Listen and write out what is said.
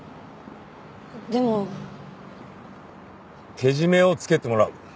けじめをつけてもらう。